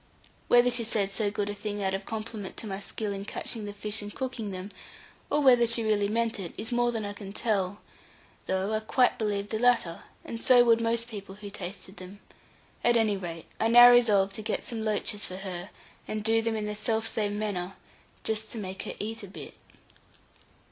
Whether she said so good a thing out of compliment to my skill in catching the fish and cooking them, or whether she really meant it, is more than I can tell, though I quite believe the latter, and so would most people who tasted them; at any rate, I now resolved to get some loaches for her, and do them in the self same manner, just to make her eat a bit.